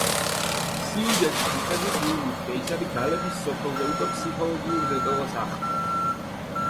სიუჟეტის მიხედვით, იულიუს კეისარი გალების სოფელზე უკვე ფსიქოლოგიურ ზეწოლას ახდენს.